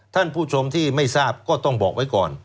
ท่านผู้ชมที่ไม่ทราบก็ต้องบอกไว้ก่อน